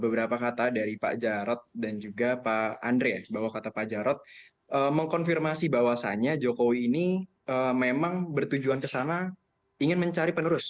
beberapa kata dari pak jarod dan juga pak andre bahwa kata pak jarod mengkonfirmasi bahwasannya jokowi ini memang bertujuan ke sana ingin mencari penerus